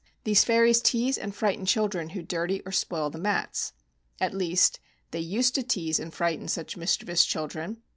These fairies tease and frighten chil dren who dirty or spoil the mats. At least — they used to tease and frighten such mis chievous children.